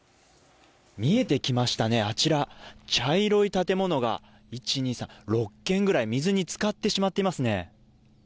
見えてきましたね、あちら、茶色い建物が１、２、３、６軒ぐらい、水につかってしまっていますね。